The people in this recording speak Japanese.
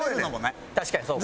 確かにそうか。